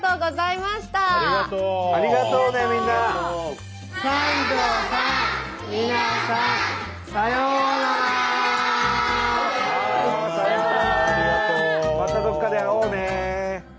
またどこかで会おうね。